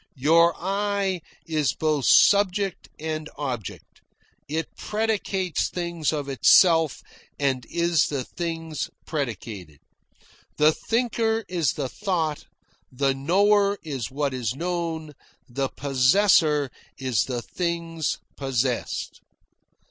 Your I is both subject and object; it predicates things of itself and is the things predicated. The thinker is the thought, the knower is what is known, the possessor is the things possessed.